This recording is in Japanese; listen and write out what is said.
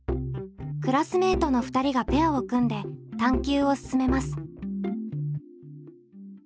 クラスメートの２人がペアを組んで探究を進めます。